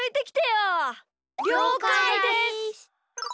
りょうかいです！